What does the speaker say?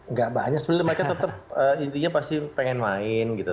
nggak banyak sebenarnya mereka tetap intinya pasti pengen main gitu